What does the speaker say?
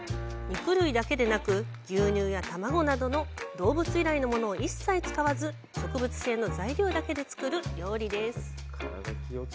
肉類だけでなく牛乳や卵など動物由来のものを一切使わず植物性の材料だけで作る料理です。